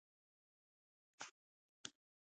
تواب مخکې لاړ او له تورو ډبرو چينې ته ورغی.